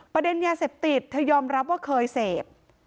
ประเด็นยาเสพติดเธอยอมรับว่าเคยเสพ